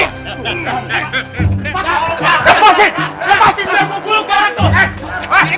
lepasin lepasin gua yang mau gulung barang tuh